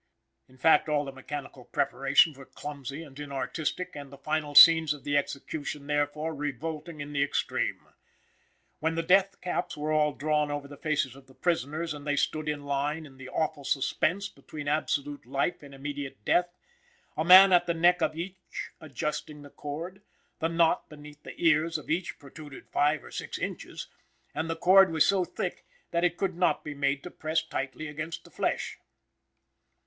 In fact all the mechanical preparations were clumsy and inartistic, and the final scenes of the execution, therefore, revolting in the extreme. When the death caps were all drawn over the faces of the prisoners, and they stood in line in the awful suspense between absolute life and immediate death, a man at the neck of each adjusting the cord, the knot beneath the ears of each protruded five or six inches, and the cord was so thick that it could not be made to press tightly against the flesh.